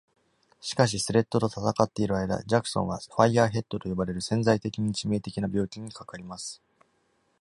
しかし、スレッドと戦っている間、ジャクソムは「ファイアーヘッド」と呼ばれる潜在的に致命的な病気にかかります。